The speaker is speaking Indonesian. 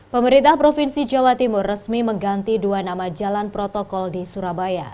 pemerintah provinsi jawa timur resmi mengganti dua nama jalan protokol di surabaya